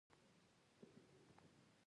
مېلمه ته د خپل قوم مهرباني وښیه.